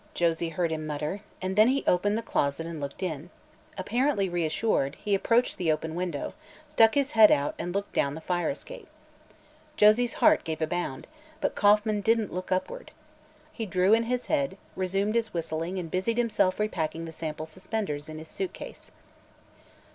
Josie heard him mutter, and then he opened the closet door and looked in. Apparently reassured, he approached the open window, stuck out his head and looked down the fire escape. Josie's heart gave a bound; but Kauffman didn't look upward. He drew in his head, resumed his whistling and busied himself repacking the sample suspenders in his suitcase.